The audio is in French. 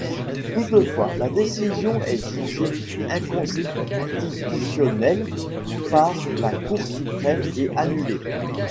Toutefois, la décision est jugée inconstitutionnelle par la Cour suprême et annulée.